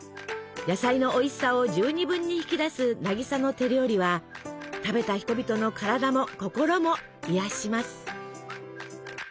野菜のおいしさを十二分に引き出す渚の手料理は食べた人々の体も心も癒やします。